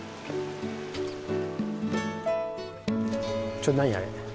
ちょっと何あれ？